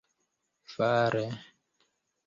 fare